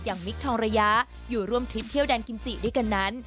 มิคทองระยะอยู่ร่วมทริปเที่ยวแดนกิมจิด้วยกันนั้น